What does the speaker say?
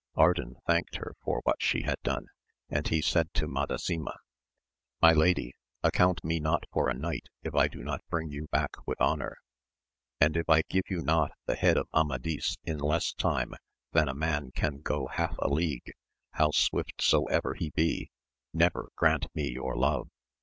Ardan thanked her for what she had done, and he said to Madasima, My lady, account me not for a knight if I do not bring you back with honour ; and if I give you not the head of Amadis in less time than a man can go half a league, how swift soever he be, never grant me your love.